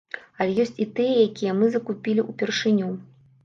Але ёсць і тыя, якія мы закупілі упершыню.